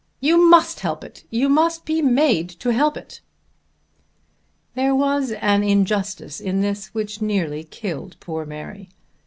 You must help it. You must be made to help it." There was an injustice in this which nearly killed poor Mary.